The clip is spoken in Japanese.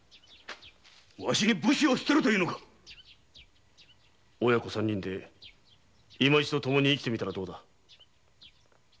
ワシに武士を捨てろと言うのか⁉親子三人でいま一度ともに生きてみたらどうだ。